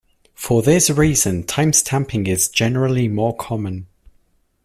For this reason, timestamping is generally more common.